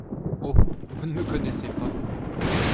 Oh ! vous ne me connaissez pas !